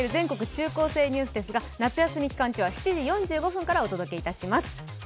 中高生ニュース」は夏休み期間中は７時４５分からお届けします。